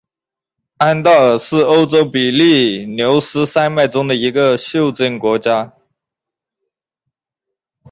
安道尔是欧洲比利牛斯山脉中的一个袖珍国家。